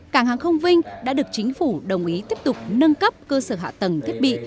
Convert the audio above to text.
cảng hàng không vinh đã được chính phủ đồng ý tiếp tục nâng cấp cơ sở hạ tầng thiết bị